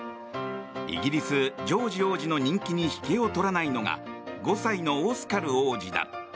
イギリス、ジョージ王子の人気に引けを取らないのが５歳のオスカル王子だ。